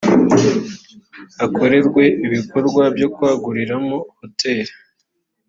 hakorerwe ibikorwa byo kwaguriramo hoteli